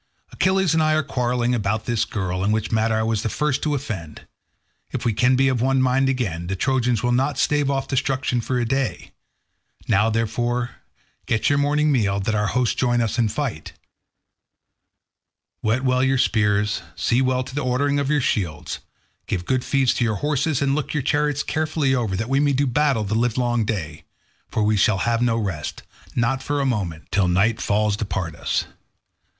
Achilles and I are quarrelling about this girl, in which matter I was the first to offend; if we can be of one mind again, the Trojans will not stave off destruction for a day. Now, therefore, get your morning meal, that our hosts join in fight. Whet well your spears; see well to the ordering of your shields; give good feeds to your horses, and look your chariots carefully over, that we may do battle the livelong day; for we shall have no rest, not for a moment, till night falls to part us.